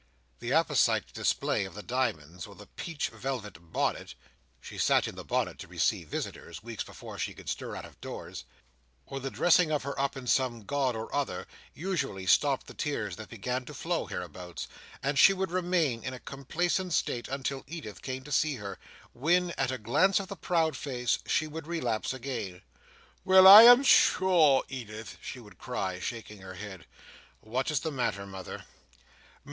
The apposite display of the diamonds, or the peach velvet bonnet (she sat in the bonnet to receive visitors, weeks before she could stir out of doors), or the dressing of her up in some gaud or other, usually stopped the tears that began to flow hereabouts; and she would remain in a complacent state until Edith came to see her; when, at a glance of the proud face, she would relapse again. "Well, I am sure, Edith!" she would cry, shaking her head. "What is the matter, mother?"